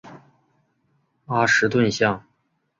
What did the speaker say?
阿什顿巷。